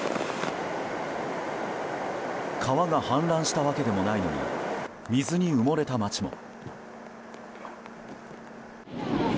川が氾濫したわけでもないのに水に埋もれた街も。